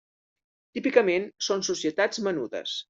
Típicament són societats menudes.